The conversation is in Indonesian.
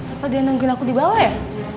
apa dia nungguin aku di bawah ya